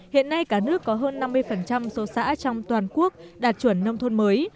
hiện nay cả nước có hơn năm mươi số xã trong toàn quốc đạt chuẩn nông thôn mới